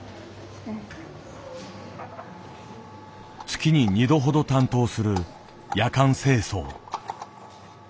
月に二度ほど担当する夜間清掃。